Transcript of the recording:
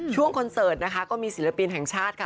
ช่วงคอนเสิร์ตก็มีศิลปินแห่งชาติค่ะ